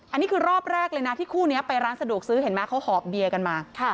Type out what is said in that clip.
อันนี้คือรอบแรกเลยนะที่คู่นี้ไปร้านสะดวกซื้อเห็นไหมเขาหอบเบียร์กันมา